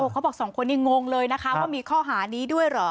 เขาบอกสองคนนี้งงเลยนะคะว่ามีข้อหานี้ด้วยเหรอ